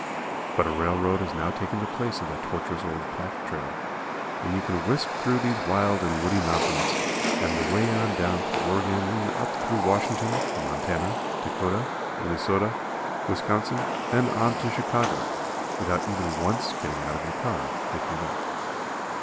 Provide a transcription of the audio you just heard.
But a railroad has now taken the place of that tortuous old packtrail, and you can whisk through these wild and woody mountains, and away on down through Oregon and up through Washington, Montana, Dakota, Minnesota, Wisconsin and on to Chicago without even once getting out of your car, if you like.